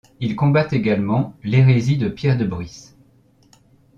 Il combat également l’hérésie de Pierre de Bruys.